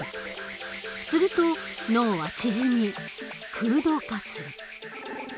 すると脳は縮み空洞化する。